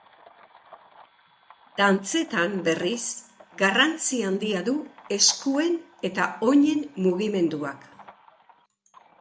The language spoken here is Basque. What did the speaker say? Dantzetan, berriz, garrantzi handia du eskuen eta oinen mugimenduak.